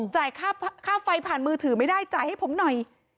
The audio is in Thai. ค่าไฟผ่านมือถือไม่ได้จ่ายให้ผมหน่อย